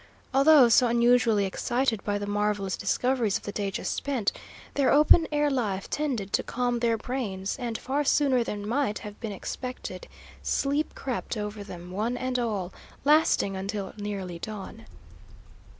Although so unusually excited by the marvellous discoveries of the day just spent, their open air life tended to calm their brains, and, far sooner than might have been expected, sleep crept over them, one and all, lasting until nearly dawn.